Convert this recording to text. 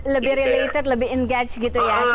lebih related lebih engage gitu ya